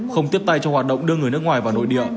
không tiếp tay cho hoạt động đưa người nước ngoài vào nội địa